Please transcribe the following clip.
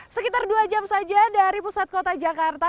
sekitar dua jam saja dari pusat kota jakarta